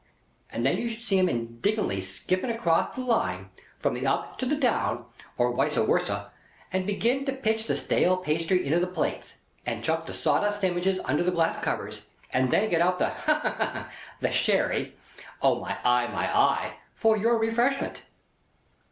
and then you should see 'em indignantly skipping across the Line, from the Up to the Down, or Wicer Warsaw, and begin to pitch the stale pastry into the plates, and chuck the sawdust sangwiches under the glass covers, and get out the—ha ha ha!—the Sherry—O my eye, my eye!—for your Refreshment.